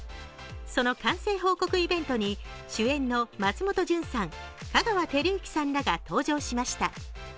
その完成報告イベントに主演の松本潤さん、香川照之さんらが登場しました。